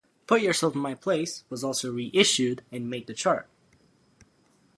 "Put Yourself in My Place" was also reissued and made the chart.